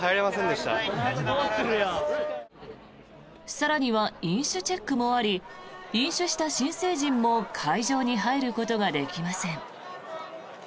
更には飲酒チェックもあり飲酒した新成人も会場に入ることができません。